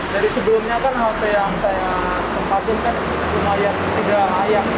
dari sebelumnya kan halte yang saya tempahkan kan mulai yang tidak layak